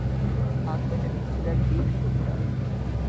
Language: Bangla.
‘আন্তর্জাতিক’ ছিলো এক দীর্ঘ কবিতা।